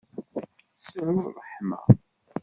Sɛu ṛṛeḥma!